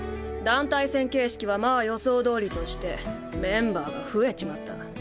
団体戦形式はまあ予想どおりとしてメンバーが増えちまった。